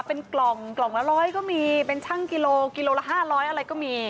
เป็นกล่องละ๑๐๐ก็มีเป็นชั่งกิโลกิโลละ๕๐๐อะไรก็มี